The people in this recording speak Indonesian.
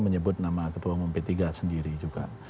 menyebut nama ketua umum p tiga sendiri juga